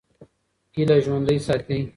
هیله ژوندۍ ساتئ.